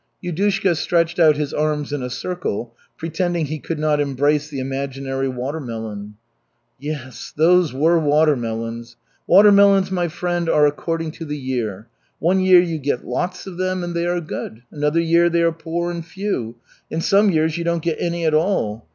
Yudushka stretched out his arms in a circle, pretending he could not embrace the imaginary watermelon. "Yes, those were watermelons. Watermelons, my friend, are according to the year. One year you get lots of them and they are good. Another year they are poor and few. And some years you don't get any at all.